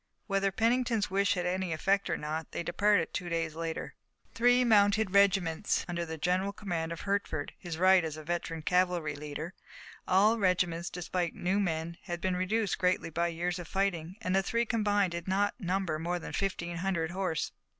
Whether Pennington's wish had any effect or not, they departed two days later, three mounted regiments under the general command of Hertford, his right as a veteran cavalry leader. All regiments, despite new men, had been reduced greatly by the years of fighting, and the three combined did not number more than fifteen hundred horse.